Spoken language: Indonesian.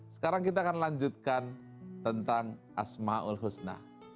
sekarang kita akan lanjutkan tentang asma'ul husna